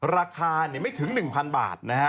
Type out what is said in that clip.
ราคาไม่ถึง๑๐๐๐บาท